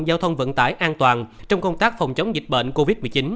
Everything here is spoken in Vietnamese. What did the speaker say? giao thông vận tải an toàn trong công tác phòng chống dịch bệnh covid một mươi chín